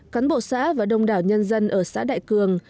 cán bộ xã và đông đảo nhân dân ở xã đại cường